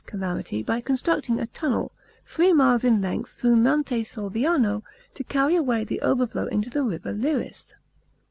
calamity by constructing a tunnel,* three miles in length through Monte Salviano, to carry away the overflow into the river Liris.